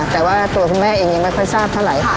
แต่ว่าตัวคุณแม่เองยังไม่ค่อยทราบเท่าไหร่